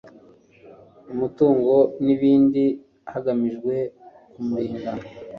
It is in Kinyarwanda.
umutungo n'ibindi hagamijwe kumurinda